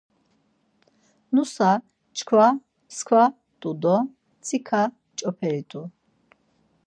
Nusa çkva mskva t̆u do mtsika ç̌operi t̆u.